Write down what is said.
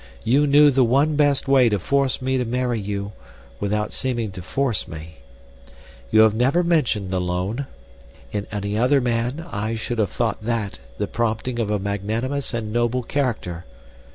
You knew the one best way to force me to marry you, without seeming to force me. "You have never mentioned the loan. In any other man I should have thought that the prompting of a magnanimous and noble character.